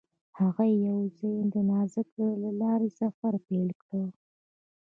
هغوی یوځای د نازک زړه له لارې سفر پیل کړ.